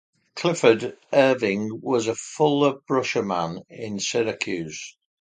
Clifford Irving was a Fuller Brush man in Syracuse.